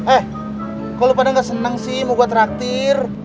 eh kok lo pada nggak senang sih mau gue traktir